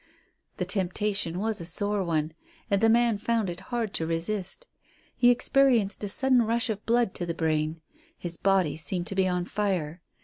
The temptation was a sore one, and the man found it hard to resist. He experienced a sudden rush of blood to the brain. His body seemed to be on fire.